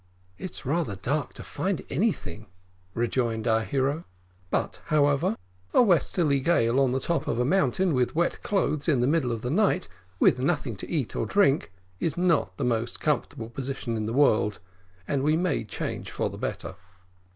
"It's rather dark to find anything," rejoined our hero; "but, however, a westerly gale on the top of a mountain with wet clothes in the middle of the night with nothing to eat or drink, is not the most comfortable position in the world, and we may change for the better."